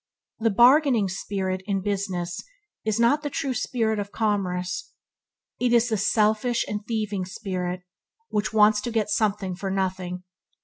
The bargaining spirit in business is not the true spirit of commerce. It is the selfish and thieving spirit which wants to get something for nothing.